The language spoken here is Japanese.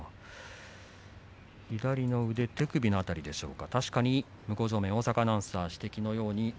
左の手首の辺りでしょうか。